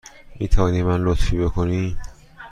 می توانی به من لطفی بکنی؟